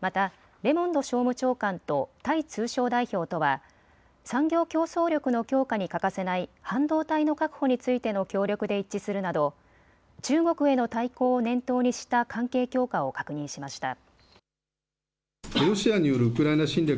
またレモンド商務長官とタイ通商代表とは産業競争力の強化に欠かせない半導体の確保についての協力で一致するなど中国への対抗を念頭にした関係強化を確認しました。